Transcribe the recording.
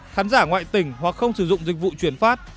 khán giả ngoại tỉnh hoặc không sử dụng dịch vụ chuyển phát